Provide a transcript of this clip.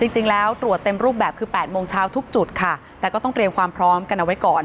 จริงแล้วตรวจเต็มรูปแบบคือ๘โมงเช้าทุกจุดค่ะแต่ก็ต้องเตรียมความพร้อมกันเอาไว้ก่อน